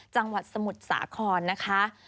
จังหวัดสมุทรสาครนะคะ